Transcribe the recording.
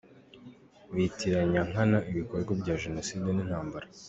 Bitiranya nkana ibikorwa bya Jenoside n’intambara.